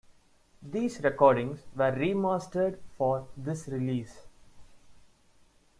These recordings were remastered for this release.